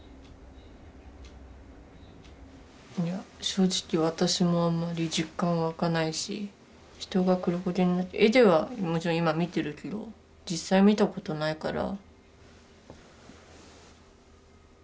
正直私もあんまり実感は湧かないし人が黒焦げになって絵ではもちろん今見てるけど実際見たことないから。